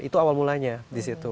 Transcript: itu awal mulanya di situ